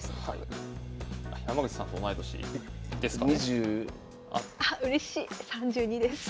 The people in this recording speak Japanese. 山口さんと同い年ですかね。